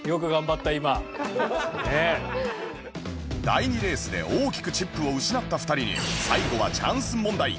第２レースで大きくチップを失った２人に最後はチャンス問題